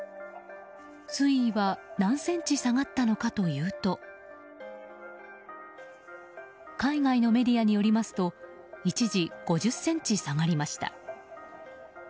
水位は何センチ下がったのかというと海外のメディアによりますと一時５０ｃｍ下がりました。